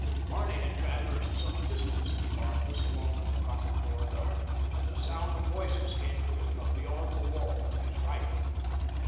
Barney had traversed some distance in the darkness along the forgotten corridor when the sound of voices came to him from beyond the wall at his right.